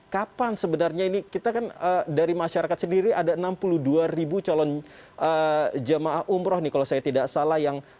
kapan sebenarnya ini kita kan dari masyarakat sendiri ada enam puluh dua ribu calon jemaah umroh nih kalau saya tidak salah